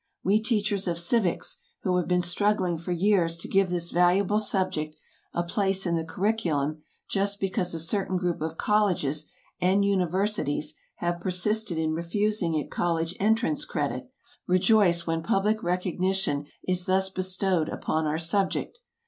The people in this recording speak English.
We teachers of civics, who have been struggling for years to give this valuable subject a place in the curriculum just because a certain group of colleges and universities have persisted in refusing it college entrance credit, rejoice when public recognition is thus bestowed upon our subject.